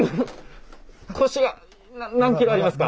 腰がな何キロありますか？